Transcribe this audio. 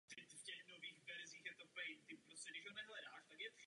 Po maturitě sloužil v armádě v Maďarsku a studoval medicínu v Budapešti.